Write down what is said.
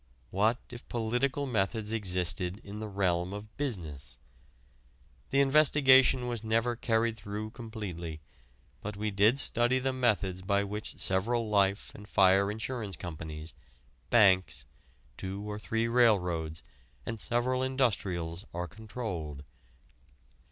What if political methods existed in the realm of business? The investigation was never carried through completely, but we did study the methods by which several life and fire insurance companies, banks, two or three railroads, and several industrials are controlled.